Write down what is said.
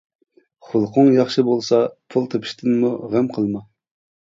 خۇلقۇڭ ياخشى بولسا پۇل تېپىشتىنمۇ غەم قىلما.